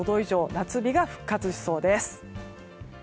夏日が復活しそうです。